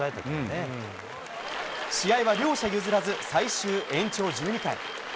試合は両者譲らず、最終延長１２回。